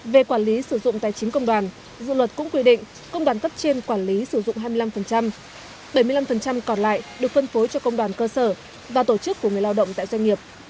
về quản lý sử dụng tài chính công đoàn dự luật cũng quy định công đoàn cấp trên quản lý sử dụng hai mươi năm bảy mươi năm còn lại được phân phối cho công đoàn cơ sở và tổ chức của người lao động tại doanh nghiệp